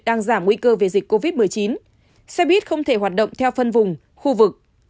đang giảm nguy cơ về dịch covid một mươi chín xe buýt không thể hoạt động theo phân vùng khu vực